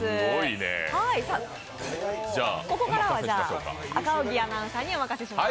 ここからは赤荻アナウンサーにお任せします。